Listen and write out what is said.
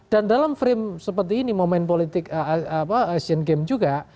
dan dalam frame seperti ini momen politik asian game juga